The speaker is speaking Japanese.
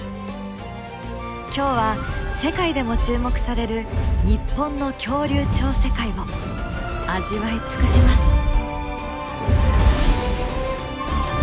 今日は世界でも注目される日本の恐竜超世界を味わい尽くします！